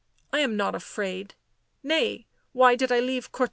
I am not afraid. Nay, why did I leave Courtrai?"